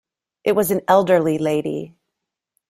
It was an elderly lady.